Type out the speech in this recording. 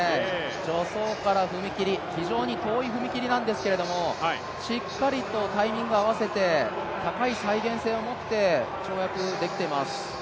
助走から踏み切り、非常に遠い踏み切りなんですけどしっかりとタイミングを合わせて高い再現性をもって跳躍できてます。